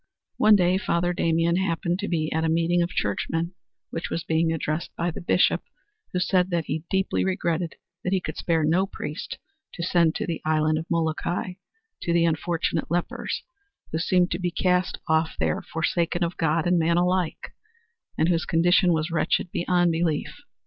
One day Father Damien happened to be at a meeting of churchmen which was being addressed by the Bishop who said that he deeply regretted that he could spare no priest to send to the Island of Molokai to the unfortunate lepers, who seemed to be cast off there forsaken of God and man alike and whose condition was wretched beyond belief.